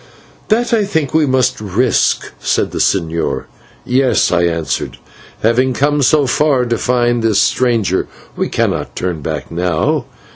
"That, I think, we must take the risk of," said the señor. "Yes," I answered: "having come so far to find this stranger, we cannot turn back now.